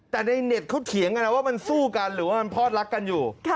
แต่ในเน็ตเขาเถียงกันนะว่ามันสู้กันหรือว่ามันพอดรักกันอยู่